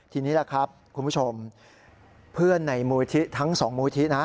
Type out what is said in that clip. ทีนี้ล่ะครับคุณผู้ชมเพื่อนในมูลที่ทั้งสองมูลที่นะ